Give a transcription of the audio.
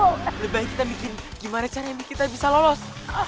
lebih baik kita bikin gimana caranya kita bisa lolos